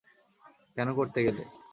কেন করতে গেলে?